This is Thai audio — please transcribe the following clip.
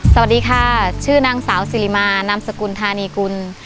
สวัสดีค่ะชื่อนางสาวสิริมานามสกุลธานีกุล